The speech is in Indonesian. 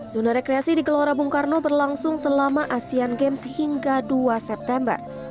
zona rekreasi di gelora bung karno berlangsung selama asian games hingga dua september